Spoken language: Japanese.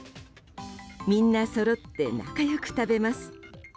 みんなそろって仲良く食べます。